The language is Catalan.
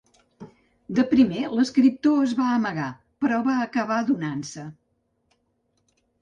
De primer, l’escriptor es va amagar però va acabar donant-se.